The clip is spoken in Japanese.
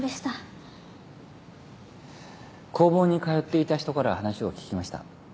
工房に通っていた人から話を聞きました。